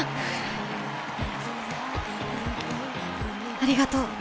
ありがとう。